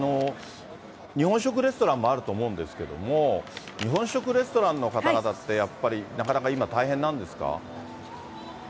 日本食レストランもあると思うんですけれども、日本食レストランの方々ってやっぱり、なかなか今大変なんですか。